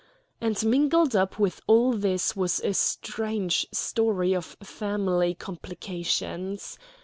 And mingled up with all this was a strange story of family complications.